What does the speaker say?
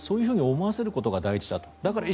そういうふうに思わせることが大事だと。